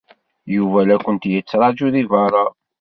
Yuba la kent-yettṛaju deg beṛṛa.